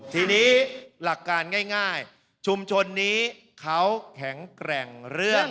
ทีนี้หลักการง่ายชุมชนนี้เขาแข็งแกร่งเรื่อง